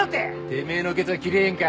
てめえのケツはきれいなんか？